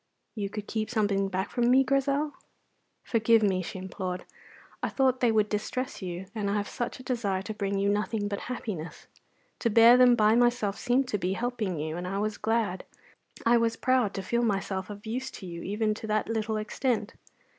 "You could keep something back from me, Grizel?" "Forgive me," she implored; "I thought they would distress you, and I had such a desire to bring you nothing but happiness. To bear them by myself seemed to be helping you, and I was glad, I was proud, to feel myself of use to you even to that little extent.